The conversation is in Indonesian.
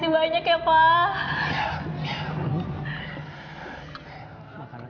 makasih banyak ya pak